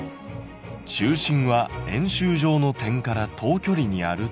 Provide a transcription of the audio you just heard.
「中心は円周上の点から等距離にある点」。